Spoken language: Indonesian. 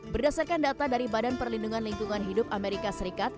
berdasarkan data dari badan perlindungan lingkungan hidup amerika serikat